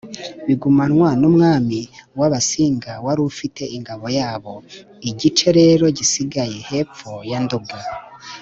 bigumanwa n’umwami w’abasinga wari ufite ingabe yabo. igice rero gisigaye hepfo ya nduga,